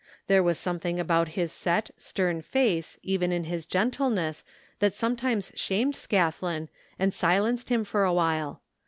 There was something about his set, stem face even in his gentleness that sometimes shamed Scathlin and silenced him for a while.